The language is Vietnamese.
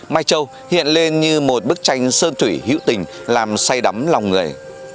mai châu hiện lên như một bức tranh sơn thủy hữu tình làm say đắm lòng người